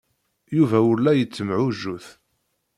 Yuba ur la yettemɛujjut.